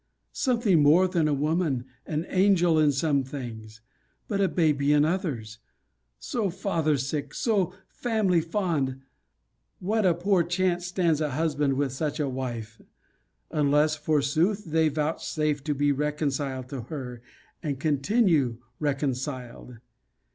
Something more than woman, an angel, in some things; but a baby in others: so father sick! so family fond! What a poor chance stands a husband with such a wife! unless, forsooth, they vouchsafe to be reconciled to her, and continue reconciled!